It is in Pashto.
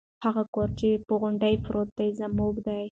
هغه کور چې په غونډۍ پروت دی زموږ دی.